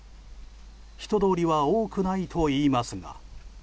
人通りは多くないといいますが。